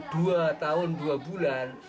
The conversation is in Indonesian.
dua tahun dua bulan